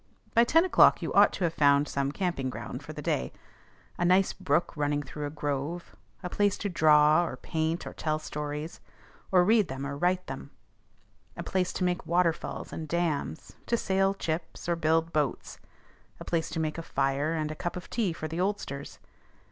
By ten o'clock you ought to have found some camping ground for the day, a nice brook running through a grove; a place to draw, or paint, or tell stories, or read them or write them; a place to make waterfalls and dams, to sail chips, or build boats; a place to make a fire and a cup of tea for the oldsters.